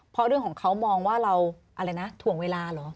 เพราะเรื่องของเขามองว่าเราอะไรนะถ่วงเวลาเหรอ